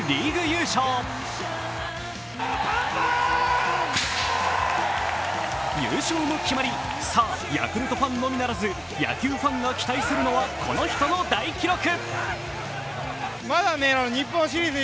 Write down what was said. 優勝も決まり、さあ、ヤクルトファンのみならず野球ファンが期待するのは、この人の大記録。